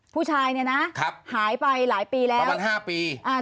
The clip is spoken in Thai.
ผู้ชายเนี้ยนะครับหายไปหลายปีแล้วประมาณห้าปีอ่า